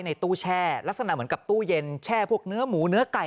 ในตู้แช่ลักษณะเหมือนกับตู้เย็นแช่พวกเนื้อหมูเนื้อไก่